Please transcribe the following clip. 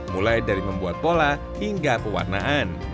mulai dari membuat pola hingga pewarnaan